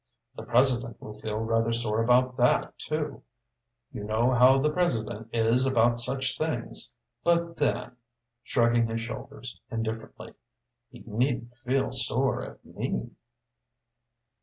The president will feel rather sore about that, too, you know how the president is about such things. But then," shrugging his shoulders indifferently "he needn't feel sore at me."